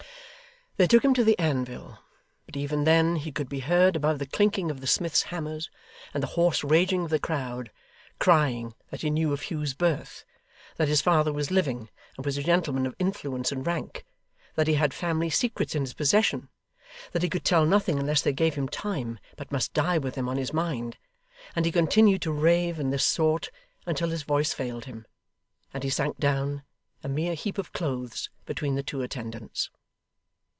They took him to the anvil: but even then he could be heard above the clinking of the smiths' hammers, and the hoarse raging of the crowd, crying that he knew of Hugh's birth that his father was living, and was a gentleman of influence and rank that he had family secrets in his possession that he could tell nothing unless they gave him time, but must die with them on his mind; and he continued to rave in this sort until his voice failed him, and he sank down a mere heap of clothes between the two attendants.